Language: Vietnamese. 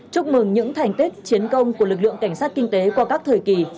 chúc mừng những thành tích chiến công của lực lượng cảnh sát kinh tế qua các thời kỳ